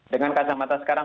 dengan kacamata sekarang